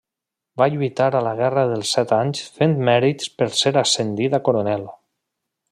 Va lluitar a la guerra dels Set Anys fent mèrits per ser ascendit a coronel.